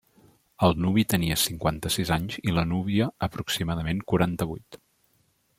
El nuvi tenia cinquanta-sis anys i la núvia aproximadament quaranta-vuit.